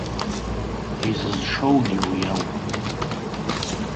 Изызшоугьы уи ауп.